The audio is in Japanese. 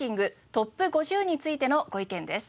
ＴＯＰ５０』についてのご意見です。